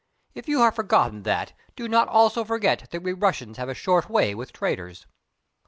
If you have forgotten that, do not also forget that we Russians have a short way with traitors."